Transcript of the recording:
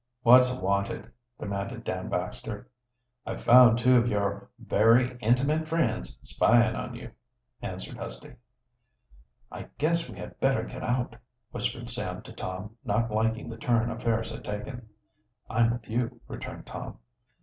"What's wanted?" demanded Dan Baxter. "I've found two of your very intimate friends spying on you," answered Husty. "I guess we had better get out," whispered Sam to Tom, not liking the turn affairs had taken. "I'm with you," returned Tom.